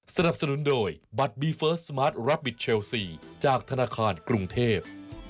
สนับสนุนโดยบัตรบีเฟิร์สสมาร์ทรับบิทเชลซีจากธนาคารกรุงเทพ